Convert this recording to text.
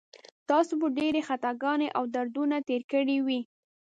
تاسو به ډېرې خطاګانې او دردونه تېر کړي وي.